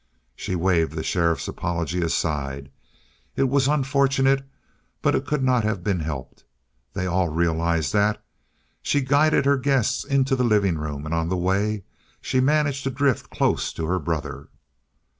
She waved the sheriff's apology aside. It was unfortunate, but it could not have been helped. They all realized that. She guided her guests into the living room, and on the way she managed to drift close to her brother.